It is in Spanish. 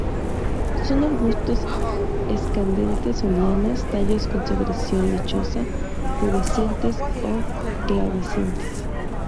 Son arbustos escandentes o lianas; tallos con secreción lechosa, pubescentes a glabrescentes.